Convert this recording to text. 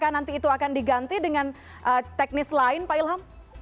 nanti itu akan diganti dengan teknis lain pak ilham